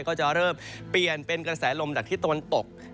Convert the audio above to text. ก็จะเริ่มเปลี่ยนเป็นกระแสลมจากทิศตะวันตก